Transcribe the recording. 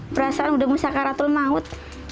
berasa udah musyakaratul maut